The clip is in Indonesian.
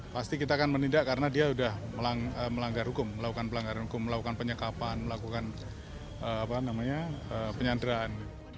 pasti kita akan menindak karena dia sudah melanggar hukum melakukan penyekapan melakukan penyanderaan